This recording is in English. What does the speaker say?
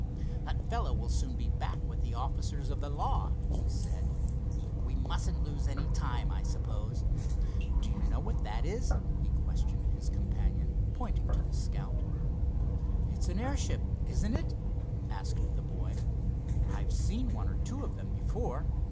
"That fellow will soon be back with the officers of the law," he said. "We mustn't lose any time, I suppose. Do you know what that is?" he questioned his companion, pointing to the Scout. "It's an airship; isn't it?" asked the boy. "I've seen one or two of them before."